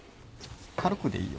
軽くでいいよ。